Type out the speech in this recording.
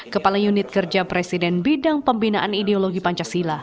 kepala unit kerja presiden bidang pembinaan ideologi pancasila